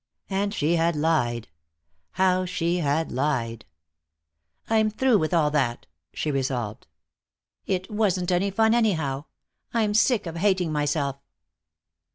And she had lied. How she had lied! "I'm through with all that," she resolved. "It wasn't any fun anyhow. I'm sick of hating myself."